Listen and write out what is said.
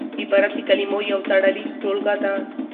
عبارت د کلمو یو تړلې ټولګه ده.